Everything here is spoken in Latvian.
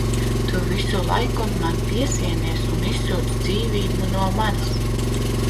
Tu visu laiku man piesienies un izsūc dzīvību no manis!